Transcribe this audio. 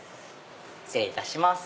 失礼いたします。